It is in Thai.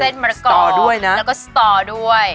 เส้นมะกรอบแล้วก็สตอบด้วย